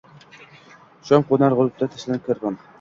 Shom qo’nar. G’urubda tashnalab karvon